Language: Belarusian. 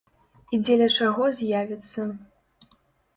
І дзеля чаго з'явіцца.